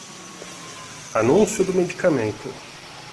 Anúncio do medicamento